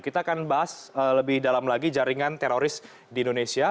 kita akan bahas lebih dalam lagi jaringan teroris di indonesia